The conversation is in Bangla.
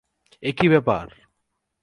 এ কী ব্যাপার।